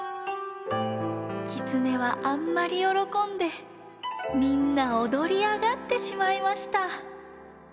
きつねはあんまりよろこんでみんなおどりあがってしまいました。